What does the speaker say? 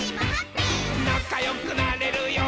「なかよくなれるよ」